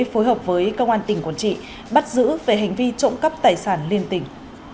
phối hợp với công an tỉnh quảng trị bắt giữ về hành vi trộm cắp tài sản liên tỉnh